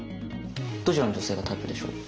どちらの女性がタイプでしょう？